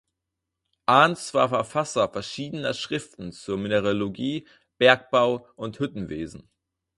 Arndts war Verfasser verschiedener Schriften zur Mineralogie, Bergbau und Hüttenwesen.